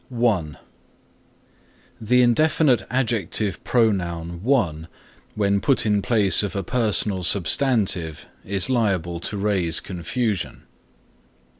ONE The indefinite adjective pronoun one when put in place of a personal substantive is liable to raise confusion.